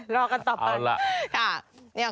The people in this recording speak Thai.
รอกันต่อไปเอาล่ะ